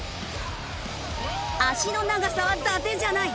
足の長さはだてじゃない！